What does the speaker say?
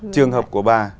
trường hợp của bà